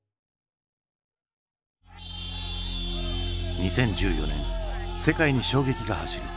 ２０１４年世界に衝撃が走る。